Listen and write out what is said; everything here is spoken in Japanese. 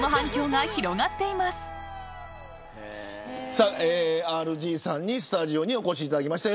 さあ、ＲＧさんにスタジオにお越しいただきました。